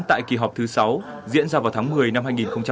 tại kỳ họp thứ sáu diễn ra vào tháng một mươi năm hai nghìn hai mươi ba